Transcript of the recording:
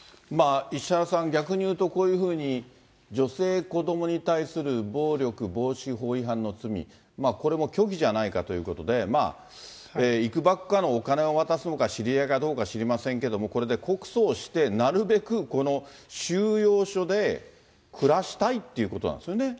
石原さん、逆に言うと、こういうふうに女性、子どもに対する暴力防止法違反の罪、これも虚偽じゃないかということで、いくばくかのお金を渡すのか、知り合いかどうか知りませんけれども、これで告訴をして、なるべくこの収容所で暮らしたいということなんですよね。